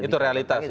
itu realitas ya